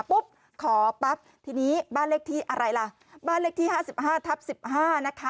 ปุ๊บขอปั๊บทีนี้บ้านเลขที่อะไรล่ะบ้านเลขที่ห้าสิบห้าทับสิบห้านะคะ